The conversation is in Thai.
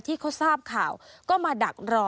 ที่เขาทราบข่าวก็มาดักรอ